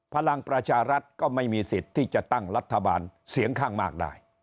พลังประชารัฐก็ไม่มีสิทธิ์ที่จะตั้งรัฐบาลเสียงข้างมากได้